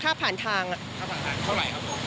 ค่าผ่านทางเท่าไหร่ครับ